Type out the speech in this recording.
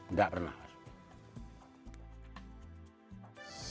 ndak pernah mas